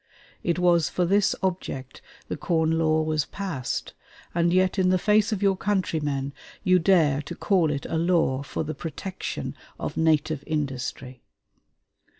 It was for this object the Corn Law was passed, and yet in the face of your countrymen you dare to call it a law for the protection of native industry....